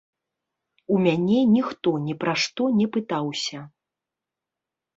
У мяне ніхто ні пра што не пытаўся.